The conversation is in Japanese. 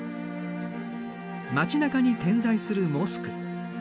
街なかに点在するモスク。